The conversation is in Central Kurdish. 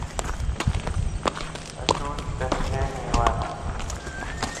ئهتو دهتهێ میوانە